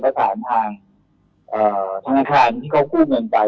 จะผ่าทางขอให้ทางอาคารที่เขาคู่เงินไป